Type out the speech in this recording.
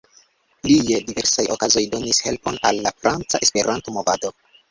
Li je diversaj okazoj donis helpon al la franca Esperanto-movado.